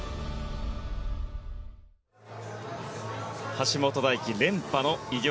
橋本大輝連覇の偉業。